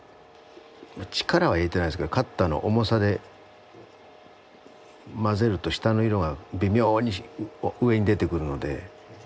力は入れてないですけどカッターの重さで混ぜると下の色が微妙に上に出てくるので。